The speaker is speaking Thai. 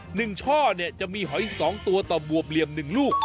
ช่อเนี่ยจะมีหอยสองตัวต่อบวบเหลี่ยมหนึ่งลูก